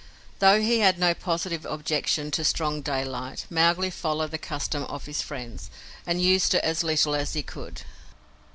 Though he had no positive objection to strong daylight, Mowgli followed the custom of his friends, and used it as little as he could.